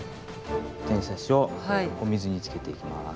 転写紙をお水につけていきます。